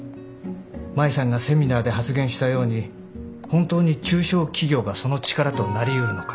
舞さんがセミナーで発言したように本当に中小企業がその力となりうるのか。